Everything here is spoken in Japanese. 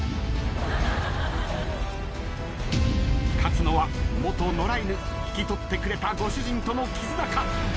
勝つのは元野良犬引き取ってくれたご主人との絆か？